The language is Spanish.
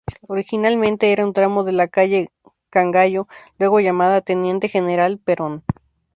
Originalmente era un tramo de la calle Cangallo, luego llamada Teniente General Perón.